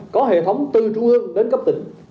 có hệ thống từ trung ương đến cấp tỉnh